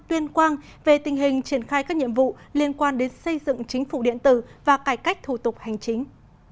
tuyên quang về tình hình triển khai các nhiệm vụ liên quan đến xây dựng chính phủ điện tử và cải cách thủ tục hành chính